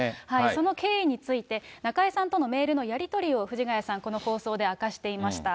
その経緯について、中居さんとのメールのやり取りを、藤ヶ谷さん、この放送で明かしていました。